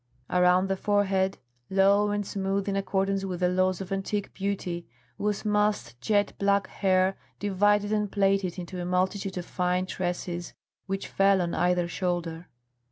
Around the forehead, low and smooth in accordance with the laws of antique beauty, was massed jet black hair divided and plaited into a multitude of fine tresses which fell on either shoulder.